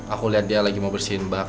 aku lihat dia lagi mau bersihin bak